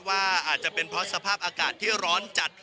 ว่าอาจจะเป็นเพราะสภาพอากาศที่ร้อนจัด